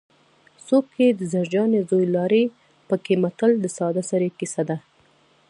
څوک یې د زرجانې زوی لاړې پکې متل د ساده سړي کیسه ده